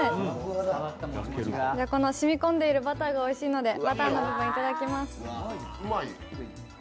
染み込んでいるバターがおいしいのでバターの部分いただきます。